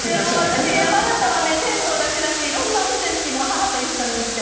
私、山形は天童だけじゃなくていろんな温泉地母と一緒に行って。